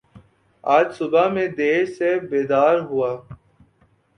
آج صبح میں دیر سے بیدار ہوا